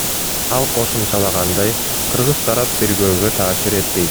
Ал кошумчалагандай, кыргыз тарап тергөөгө таасир этпейт.